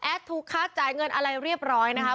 ถูกค้าจ่ายเงินอะไรเรียบร้อยนะคะ